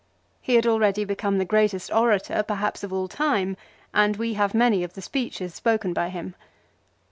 He had already become the greatest orator, perhaps of all time, and we have many of the speeches spoken by him.